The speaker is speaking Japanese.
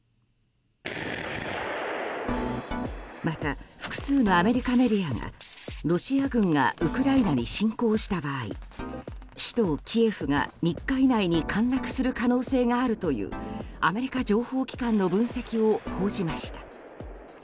また複数のアメリカメディアがロシア軍がウクライナに侵攻した場合首都キエフが３日以内に陥落する可能性があるというアメリカ情報機関の分析を報じました。